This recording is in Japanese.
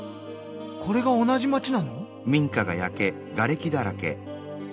これが同じ町なの？